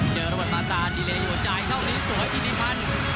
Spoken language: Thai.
เจอระบบตระซานดีเลน์อยู่จ่ายช่องมิ้นส์สวร้ายมิ้นมัน